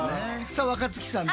さあ若槻さん